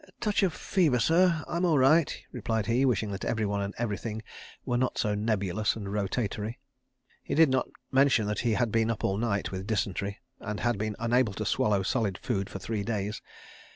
"Touch of fever, sir. I'm all right," replied he, wishing that everyone and everything were not so nebulous and rotatory. He did not mention that he had been up all night with dysentery, and had been unable to swallow solid food for three days.